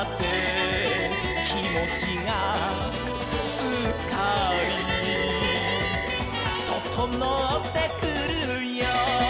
「きもちがすっかり」「ととのってくるよ」